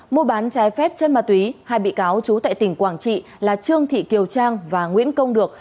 mua bán trái phép chân ma túy hai bị cáo trú tại tỉnh quảng trị là trương thị kiều trang và nguyễn công được